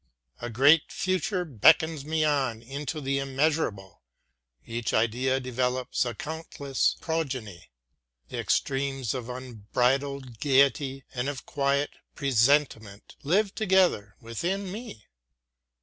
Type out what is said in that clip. A great future beckons me on into the immeasurable; each idea develops a countless progeny. The extremes of unbridled gayety and of quiet presentiment live together within me.